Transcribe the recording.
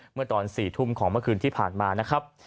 เมื่อตอน๔ทุ่มของเมื่อคืนที่ผ่านมานะครับ